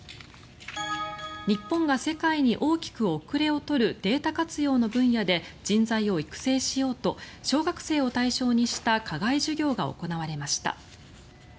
日本が世界に大きく後れを取るデータ活用の分野で人材を育成しようと小学生を対象にした課外授業が行われました。